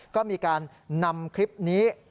ก็มีการนำคลิปนี้